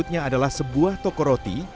saya masih ingin mempunyai suatu sei petit